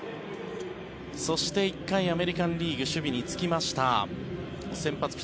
そして、１回アメリカン・リーグ守備に就きました。